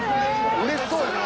うれしそうやな。